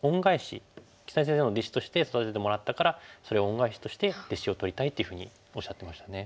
木谷先生の弟子として育ててもらったからそれを恩返しとして弟子を取りたいっていうふうにおっしゃってましたね。